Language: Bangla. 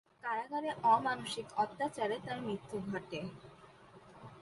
কারাগারে অমানুষিক অত্যাচারে তার মৃত্যু ঘটে।